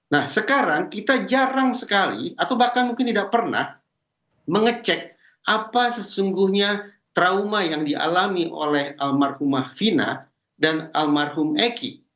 nah sekarang kita jarang sekali atau bahkan mungkin tidak pernah mengecek apa sesungguhnya trauma yang dialami oleh almarhumah fina dan almarhum eki